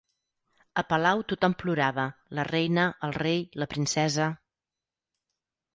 A palau tothom plorava: la reina, el rei, la princesa.